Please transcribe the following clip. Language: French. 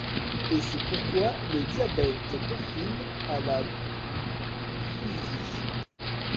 Et c'est pourquoi le diabète confine à la phthisie.